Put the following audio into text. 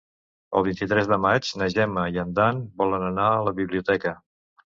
El vint-i-tres de maig na Gemma i en Dan volen anar a la biblioteca.